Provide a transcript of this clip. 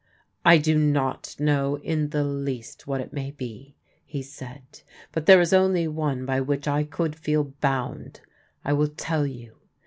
" I do not know in the least what it may be," he said ;" but there is only one by which I could feel bound. I will tell you.